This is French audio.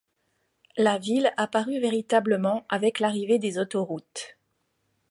La ville apparut véritablement avec l'arrivée des autoroutes.